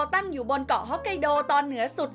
ตั้งอยู่บนเกาะฮอกไกโดตอนเหนือสุด